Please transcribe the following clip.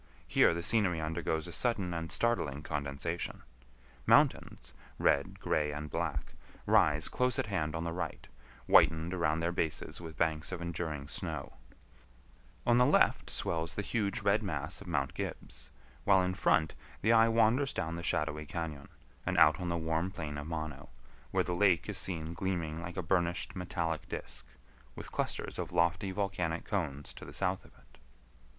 Here the scenery undergoes a sudden and startling condensation. Mountains, red, gray, and black, rise close at hand on the right, whitened around their bases with banks of enduring snow; on the left swells the huge red mass of Mount Gibbs, while in front the eye wanders down the shadowy cañon, and out on the warm plain of Mono, where the lake is seen gleaming like a burnished metallic disk, with clusters of lofty volcanic cones to the south of it.